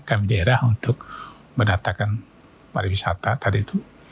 kami daerah untuk mendatangkan para wisata tadi itu